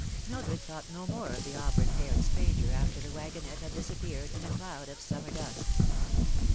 Mildred thought no more of the auburn haired stranger after the wagonette had disappeared in a cloud of summer dust.